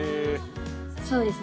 そうですね。